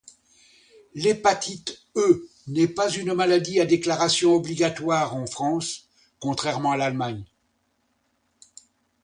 L'hépatite E n'est pas une maladie à déclaration obligatoire, en France contrairement à l’Allemagne.